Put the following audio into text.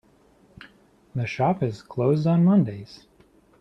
The shop is closed on mondays.